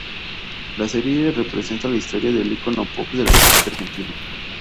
La serie representa la historia del icono pop de la música argentina.